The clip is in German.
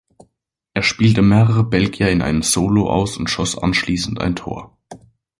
Er spielte mehrere Belgier in einem Solo aus und schoss anschließend ein Tor.